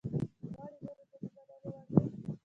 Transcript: غواړي نورو ته د منلو وړ وي.